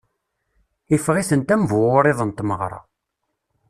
Iffeɣ-itent am bu wuṛiḍ n tmeɣṛa.